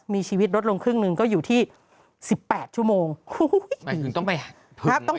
มีชีวิตลดลงครึ่งหนึ่งก็อยู่ที่๑๘ชั่วโมง